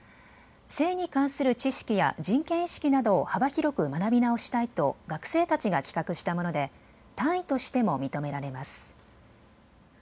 性に関する知識や人権意識などを幅広く学び直したいと学生たちが企画したもので単位としても認められます。